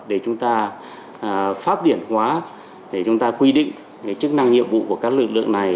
để chúng ta pháp điển hóa để chúng ta quy định chức năng nhiệm vụ của các lực lượng này